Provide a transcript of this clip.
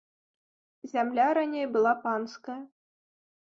Зямля раней была панская.